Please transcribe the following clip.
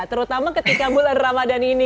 terutama ketika bulan ramadhan ini